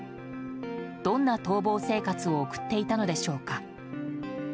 どんな逃亡生活を送っていたのでしょうか。